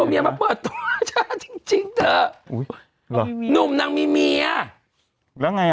เอาเมียมาเปิดตัวจ้ะจริงจริงเธออุ้ยเหรอหนุ่มนางมีเมียแล้วไง